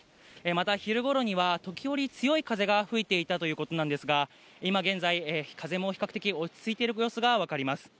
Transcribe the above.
また、昼ごろには時折、強い風が吹いていたということなんですが、今現在、風も比較的落ち着いている様子が分かります。